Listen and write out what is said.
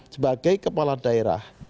sebagai kepala daerah